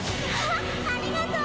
ありがとう！